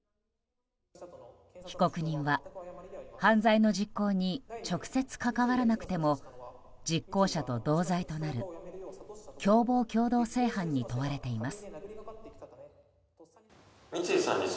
被告人は犯罪の実行に直接関わらなくても実行者と同罪となる共謀共同正犯に問われています。